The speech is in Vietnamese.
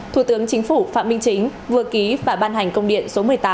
thủ tướng chính phủ phạm minh chính vừa ký và ban hành công điện số một mươi tám